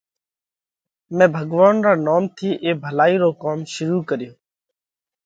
مئين ڀڳوونَ را نوم ٿِي اي ڀلائِي رو ڪوم شُروع ڪريوھ۔